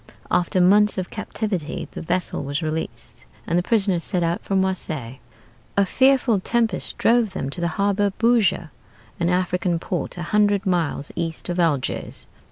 After months of captivity the vessel was released, and the prisoner set out for Marseilles. A fearful tempest drove them to the harbor of Bougie, an African port a hundred miles east of Algiers.